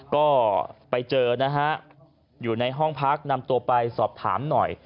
ก็ไปเจอนะฮะอยู่ในห้องพักนำตัวไปสอบถามหน่อย